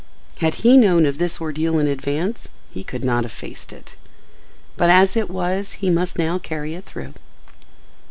Had he known of this ordeal in advance he could not have faced it, but as it was he must now carry it through.